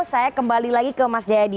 saya kembali lagi ke mas jayadi